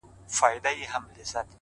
سرکښي نه کوم نور خلاص زما له جنجاله یې;